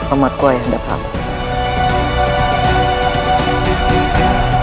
amatku ayah daftar